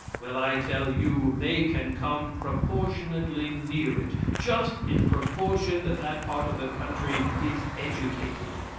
Well, I tell you, they can come proportionately near it just in proportion that that part of the country is educated.